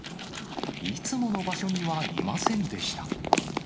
いつもの場所にはいませんでした。